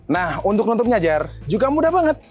nah untuk menutupnya jar juga mudah banget